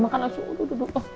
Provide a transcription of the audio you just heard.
makan langsung dulu dulu dulu